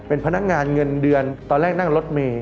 เป็นพนักงานเงินเดือนตอนแรกนั่งรถเมย์